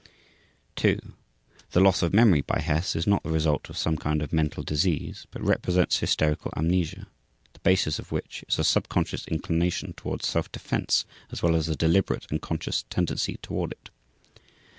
2. The loss of memory by Hess is not the result of some kind of mental disease but represents hysterical amnesia, the basis of which is a subconscious inclination toward self defense as well as a deliberate and conscious tendency toward it.